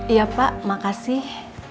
iya pak makasih